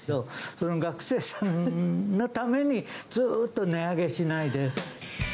その学生さんのために、ずっと値上げしないで。